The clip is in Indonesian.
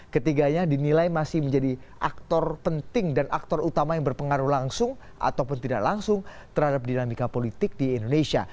ketiganya dinilai masih menjadi aktor penting dan aktor utama yang berpengaruh langsung ataupun tidak langsung terhadap dinamika politik di indonesia